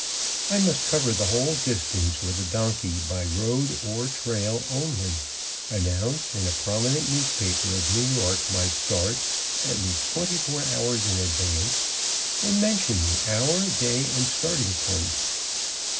I must cover the whole distance with a donkey by road or trail only; announce in a prominent newspaper of New York my start, at least twenty four hours in advance, and mention the hour, day, and starting point.